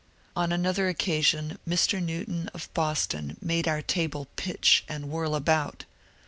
On another occasion Mr. THEODORE PARKER 295 Newton of Boston made our table pitch and whirl about.